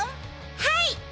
はい！